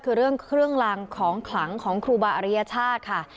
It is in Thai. คือเรื่องเครื่องรางของขลังของครูบาอริยชาติค่ะ